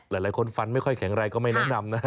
หลายคนฟันไม่ค่อยแข็งแรงก็ไม่แนะนำนะ